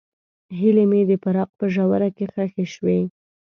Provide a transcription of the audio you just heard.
هیلې مې د فراق په ژوره کې ښخې شوې.